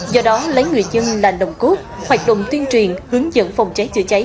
do đó lấy người dân là nồng cốt hoạt động tuyên truyền hướng dẫn phòng cháy chữa cháy